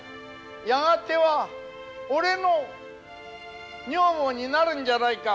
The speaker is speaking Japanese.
やがては俺の女房になるんじゃないか。